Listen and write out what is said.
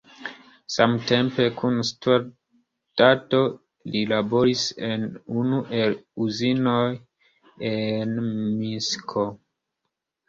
Samtempe kun studado, li laboris en unu el uzinoj en Minsko.